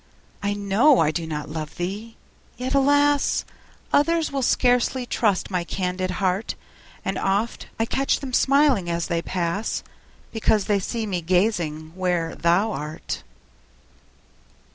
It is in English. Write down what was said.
I know I do not love thee! yet, alas! Others will scarcely trust my candid heart; And oft I catch them smiling as they pass, Because they see me gazing where thou art.